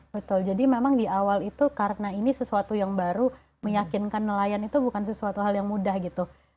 betul jadi memang di awal itu karena ini sesuatu yang baru meyakinkan nelayan itu bukan sesuatu hal yang mudah gitu